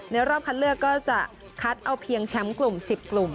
รอบคัดเลือกก็จะคัดเอาเพียงแชมป์กลุ่ม๑๐กลุ่ม